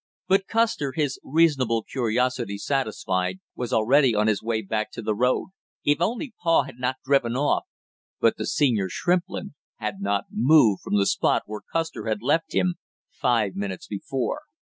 But Custer, his reasonable curiosity satisfied, was already on his way back to the road. "If only pa has not driven off!" But the senior Shrimplin had not moved from the spot where Custer had left him five minutes before.